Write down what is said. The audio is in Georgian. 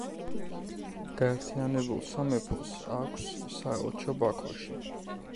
გაერთიანებულ სამეფოს აქვს საელჩო ბაქოში.